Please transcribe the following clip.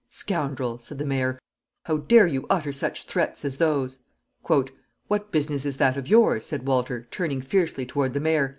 "Scoundrel!" said the mayor, "how dare you utter such threats as those?" "What business is that of yours?" said Walter, turning fiercely toward the mayor.